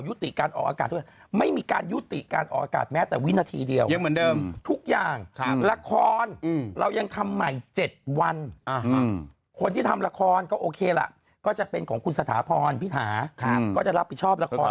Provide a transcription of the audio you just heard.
ติการออกอากาศด้วยไม่มีการยุติการออกอากาศแม้แต่วินาทีเดียวยังเหมือนเดิมทุกอย่างละครเรายังทำใหม่๗วันคนที่ทำละครก็โอเคล่ะก็จะเป็นของคุณสถาพรพิธาก็จะรับผิดชอบละคร